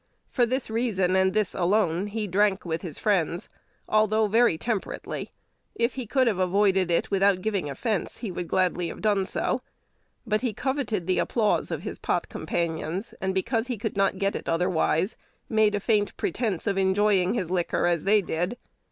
For this reason, and this alone, he drank with his friends, although very temperately. If he could have avoided it without giving offence, he would gladly have done so. But he coveted the applause of his pot companions, and, because he could not get it otherwise, made a faint pretence of enjoying his liquor as they did.